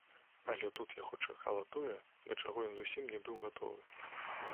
Але тут яго чакала тое, да чаго ён зусім не быў гатовы.